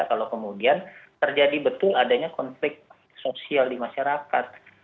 kalau kemudian terjadi betul adanya konflik sosial di masyarakat